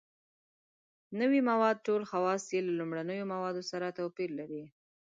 نوي مواد ټول خواص یې له لومړنیو موادو سره توپیر لري.